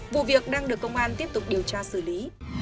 vụ việc đang được công an tiếp tục điều tra xử lý